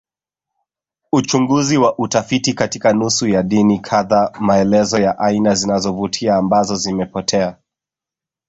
Uchunguzi wa utafiti katika nusu ya dini kadhaa maelezo ya aina zinazovutia ambazo zimepotea